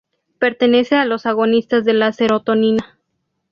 Pertenece a los agonistas de la serotonina.